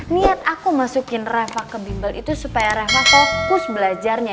niat aku masukin reva ke bimbel itu supaya reva fokus belajarnya